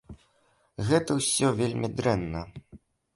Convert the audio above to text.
Гэта ўсё вельмі дрэнна.